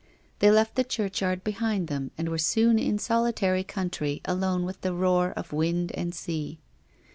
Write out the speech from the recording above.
They left the churchyard behind them, and were soon in solitary country alone with the roar of wind and sea.